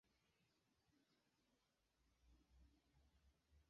Apude troviĝas antenoj de Hungara Radio.